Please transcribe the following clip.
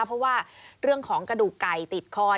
เพราะว่าเรื่องของกระดูกไก่ติดคอ